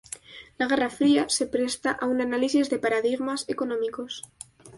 La guerra fría se presta a un análisis de paradigmas económicos.